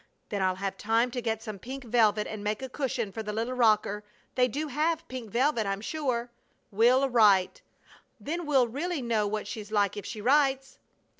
("Then I'll have time to get some pink velvet and make a cushion for the little rocker. They do have pink velvet, I'm sure!") "Will write." ("Then we'll really know what she's like if she writes!")